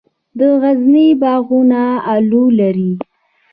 د غزني باغونه الو لري.